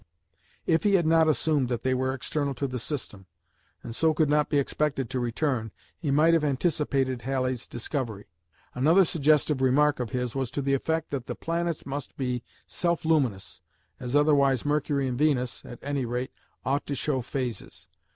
If he had not assumed that they were external to the system and so could not be expected to return, he might have anticipated Halley's discovery. Another suggestive remark of his was to the effect that the planets must be self luminous, as otherwise Mercury and Venus, at any rate, ought to show phases.